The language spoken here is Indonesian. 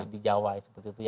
di jawa seperti itu